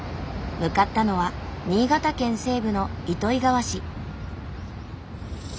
向かったのは新潟県西部の糸魚川市。